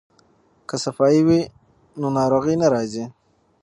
که صفايي وي نو ناروغي نه راځي.